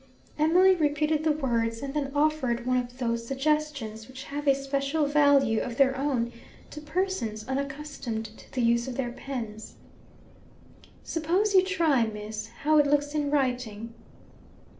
Emily repeated the words and then offered one of those suggestions, which have a special value of their own to persons unaccustomed to the use of their pens. 'Suppose you try, Miss, how it looks in writing?'